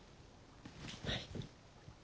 はい。